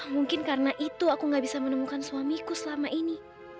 mungkin karena itu aku gak bisa menemukan suamiku selama ini